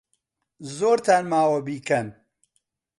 زۆرتان ماوە بیکەن.